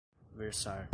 versar